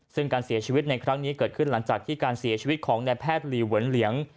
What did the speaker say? ซึ่งการเสียชีวิตในครั้งนี้เกิดขึ้นหลังจากที่การเสียชีวิตของนายแพทย์หลีเหวนเหลียง